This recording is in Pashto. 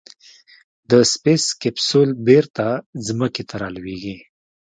د سپېس کیپسول بېرته ځمکې ته رالوېږي.